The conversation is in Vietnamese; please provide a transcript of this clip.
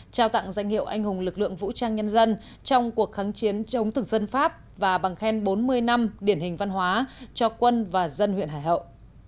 trao tặng danh hiệu anh hùng lực lượng vũ trang nhân dân trong cuộc kháng chiến chống thực dân pháp và bằng khen bốn mươi năm điển hình văn hóa cho quân và dân huyện hải hậu